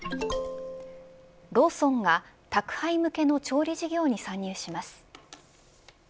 ローソンが宅配向けの調理事業に参入します。